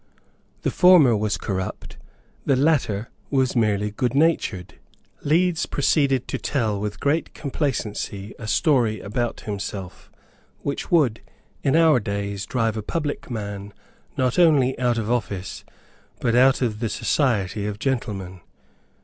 The former was corrupt; the latter was merely goodnatured. Leeds proceeded to tell with great complacency a story about himself, which would, in our days, drive a public man, not only out of office, but out of the society of gentlemen.